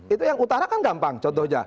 itu yang utara kan gampang contohnya